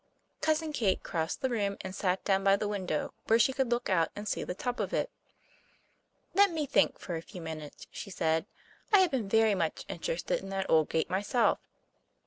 Cousin Kate crossed the room, and sat down by the window, where she could look out and see the top of it. "Let me think for a few minutes," she said. "I have been very much interested in that old gate myself."